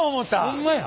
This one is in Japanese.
ホンマや。